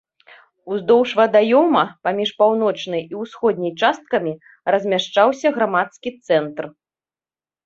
Уздоўж вадаёма, паміж паўночнай і ўсходняй часткамі, размяшчаўся грамадскі цэнтр.